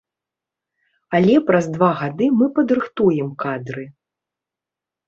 Але праз два гады мы падрыхтуем кадры.